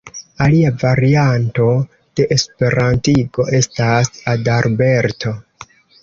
Alia varianto de esperantigo estas "Adalberto".